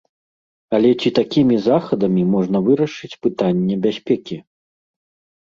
Але ці такімі захадамі можна вырашыць пытанне бяспекі?